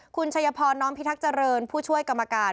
คุณชัยพรน้อมพิทักษ์เจริญผู้ช่วยกรรมการ